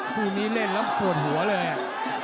คู่นี้เล่นแล้วปวดหัวเลย